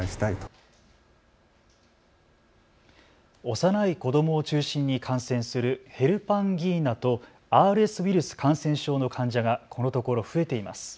幼い子どもを中心に感染するヘルパンギーナとＲＳウイルス感染症の患者がこのところ増えています。